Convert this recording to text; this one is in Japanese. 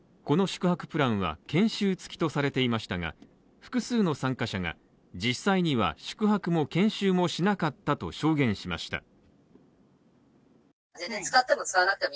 この宿泊プランは、研修つきとされていましたが、複数の参加者が実際には宿泊も研修もしなかったと証言しました。